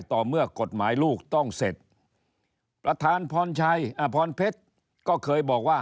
ต่อเมื่อกฎหมายลูกต้องเสร็จประธานพรชัยอพรเพชรก็เคยบอกว่า